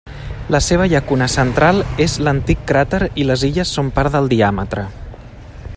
La seva llacuna central és l'antic cràter i les illes són part del diàmetre.